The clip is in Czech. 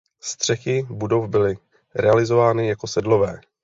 Střechy budov byly realizovány jako sedlové.